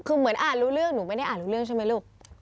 คือเหมือนอ่านรู้เรื่องหนูไม่ได้อ่านรู้เรื่องใช่ไหมลูก